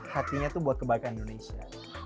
hatinya tuh buat kebaikan indonesia